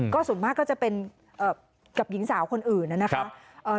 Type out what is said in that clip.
ส่วนมากก็จะเป็นกับหญิงสาวคนอื่นนะครับ